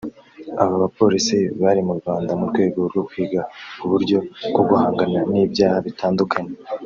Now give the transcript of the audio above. Aba bapolisi bari mu Rwanda mu rwego rwo kwiga uburyo bwo guhangana n’ibyaha bitandukanye